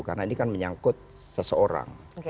karena ini kan menyangkut seseorang